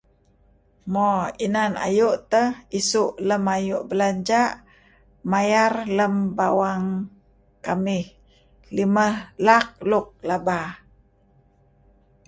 Mo inan ayu' tah isu' lam ayu' belanja'. Mayar lam bawang kamih lima laak luk laba.